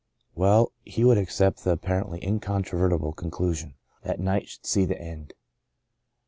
Well, he would accept the apparently incontroverti ble conclusion. That night should see the end.